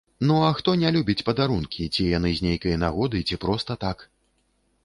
Ну, а хто не любіць падарункі, ці яны з нейкай нагоды, ці проста так?